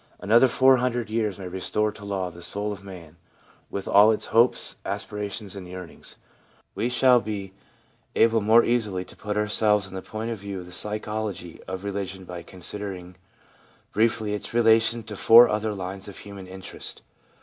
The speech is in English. Another four hundred years may restore to law the soul of man, with all its hopes, aspirations and yearnings. We shall be able more easily to put ourselves in the point of view of the psychology of religion by consider ing briefly its relation to four other lines of human interest.